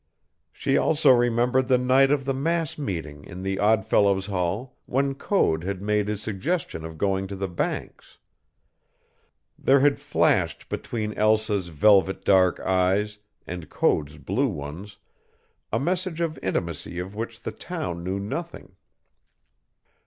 She also remembered the night of the mass meeting in Odd Fellows Hall when Code had made his suggestion of going to the Banks. There had flashed between Elsa's velvet dark eyes and Code's blue ones a message of intimacy of which the town knew nothing.